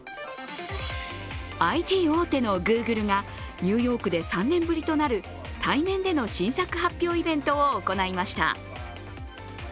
ＩＴ大手のグーグルがニューヨークで３年ぶりとなる対面での新作発表イベントを行いました。